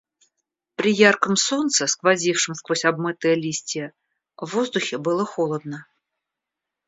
При ярком солнце, сквозившем сквозь обмытые листья, в воздухе было холодно.